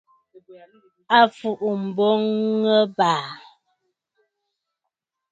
À fùʼu mboŋ ɨ̀bàà!